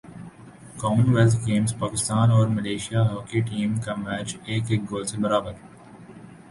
common wealth games Pakistan اور Malaysia hockey team کا match ایک ایک گول سے برابر